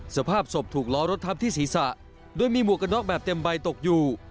สภาพศพถูกล้อรถทับที่ศีรษะโดยมีหมวกกระน็อกแบบเต็มใบตกอยู่